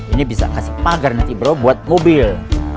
ini bisa kasih pagar nanti bro buat mobil